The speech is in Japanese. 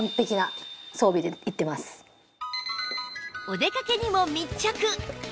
お出かけにも密着